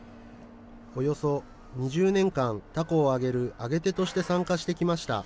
およそ２０年間、たこを揚げる揚げてとして参加してきました。